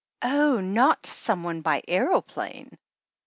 "Oh! not someone by aeroplane?"